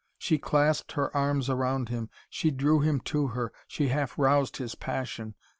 She clasped her arms round him, she drew him to her, she half roused his passion.